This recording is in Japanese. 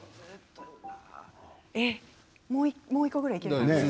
もう１個ぐらい、いけますか。